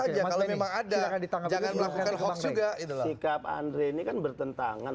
aja kalau memang ada ditangkap jangan melakukan hoax juga itu sikap andre ini kan bertentangan